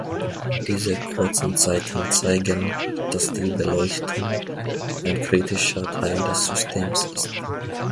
Diese kurzen Zeiten zeigen, dass die Beleuchtung ein kritischer Teil des Systems ist.